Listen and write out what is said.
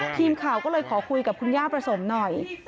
ทีมข่าวก็เลยขอคุยกับคุณย่าประสมหน่อย